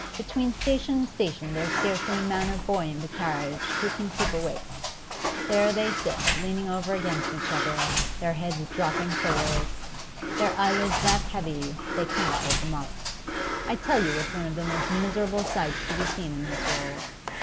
Between station and station there's scarcely a man or boy in the carriage who can keep awake; there they sit, leaning over against each other, their heads dropping forward, their eyelids that heavy they can't hold them up. I tell you it's one of the most miserable sights to be seen in this world.